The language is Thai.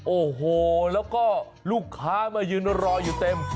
โอ้โหแล้วก็ลูกค้ามายืนรออยู่เต็ม